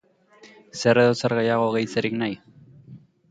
Zer edo zer gehiago gehitzerik nahi?